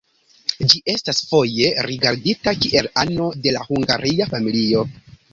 Ĝi estas foje rigardita kiel ano de la Hungaria familio.